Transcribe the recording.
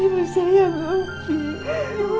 ibu sayang ibu